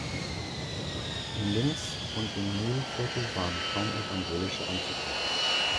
In Linz und im Mühlviertel waren kaum Evangelische anzutreffen.